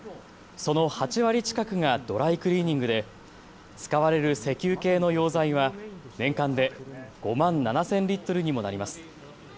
その８割近くがドライクリーニングで使われる石油系の溶剤は年間で５万７０００リットルにもなります。